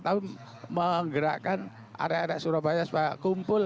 tapi menggerakkan anak anak surabaya supaya kumpul